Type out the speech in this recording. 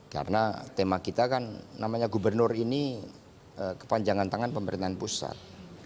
karena tema kita kan namanya gubernur ini kepanjangan tangan pemerintahan pusat